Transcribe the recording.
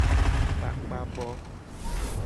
Kpakpa bo.